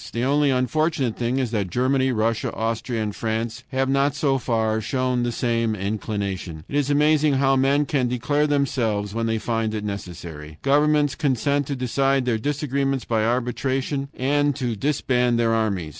The only unfortunate thing is that Germany, Russia, Austria, and France have not so far shown the same inclination. It is amazing how men can deceive themselves when they find it necessary! Governments consent to decide their disagreements by arbitration and to disband their armies!